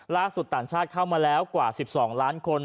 ต่างชาติเข้ามาแล้วกว่า๑๒ล้านคน